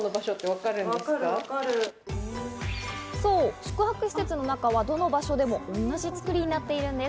宿泊施設の中はどの場所でも同じつくりになっているんです。